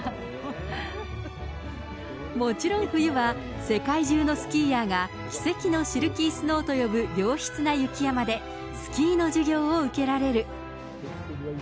もちろん冬は、世界中のスキーヤーが奇跡のシルキースノーと呼ぶ、良質な雪山で、スキーの授業を受けられる。